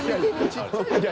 ちっちゃい。